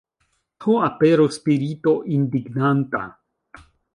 Ho, aperu, Spirito indignanta!